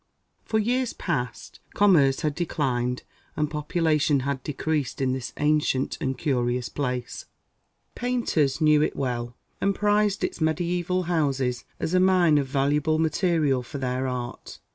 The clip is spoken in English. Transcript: For years past, commerce had declined, and population had decreased in this ancient and curious place. Painters knew it well, and prized its mediaeval houses as a mine of valuable material for their art.